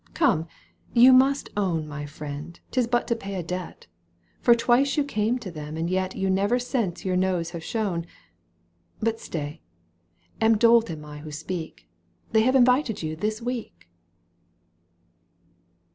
Come ! you must own, My friend, 'tis but to pay a debt, For twice you came to them and yet You never since your nose have shown. But stay ! A dolt am I who speak ! They have invited you this week."